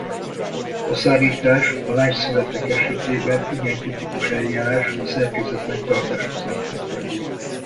A szárítás a lágy szövetek esetében igen kritikus eljárás a szerkezet megtartása szempontjából.